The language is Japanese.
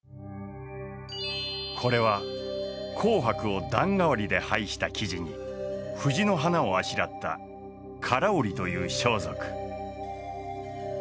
これは紅白を段替わりで配した生地に藤の花をあしらった唐織という装束。